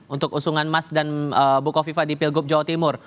untuk usungan mas dan bukoviva di pilgub jawa timur